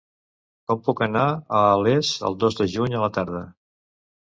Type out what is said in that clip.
Com puc anar a Les el dos de juny a la tarda?